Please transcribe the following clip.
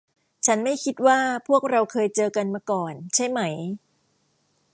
ฉันไม่คิดว่าพวกเราเคยเจอกันมาก่อน ใช่ไหม ?